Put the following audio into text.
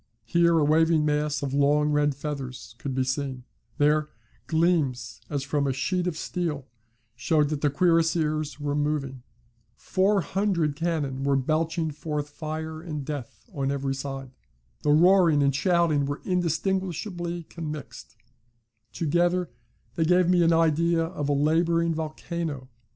Here a waving mass of long red feathers could be seen; there, gleams as from a sheet of steel showed that the cuirassiers were moving; 400 cannon were belching forth fire and death on every side; the roaring and shouting were indistinguishably commixed together they gave me an idea of a labouring volcano.